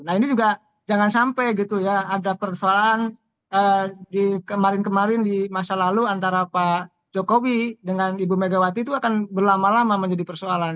nah ini juga jangan sampai gitu ya ada persoalan di kemarin kemarin di masa lalu antara pak jokowi dengan ibu megawati itu akan berlama lama menjadi persoalan